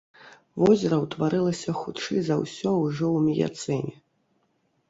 Возера ўтварылася хутчэй за ўсё ўжо ў міяцэне.